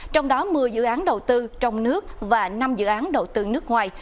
trong đó một mươi dự án đầu tư trong nước và năm dự án đầu tư nước ngoài